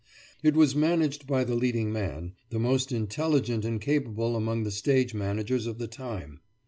It was managed by the leading man, the most intelligent and capable among the stage managers of the time.